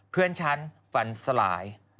เพื่อนฉันฝันสลาย